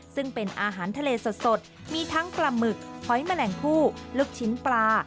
ซึ่งเป็นอาหารทะเลสดมีทั้งปลาหมึกหอยแมลงผู้ลูกชิ้นปลา